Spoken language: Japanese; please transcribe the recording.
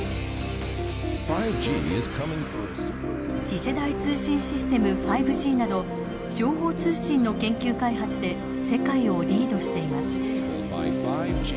次世代通信システム５Ｇなど情報通信の研究開発で世界をリードしています。